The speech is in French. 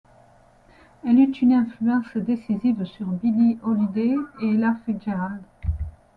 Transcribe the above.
Elle eut une influence décisive sur Billie Holiday et Ella Fitzgerald.